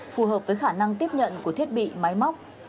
phù hợp với khả năng tiếp nhận của thiết bị máy móc